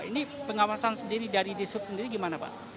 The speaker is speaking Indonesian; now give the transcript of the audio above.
ini pengawasan sendiri dari disub sendiri gimana pak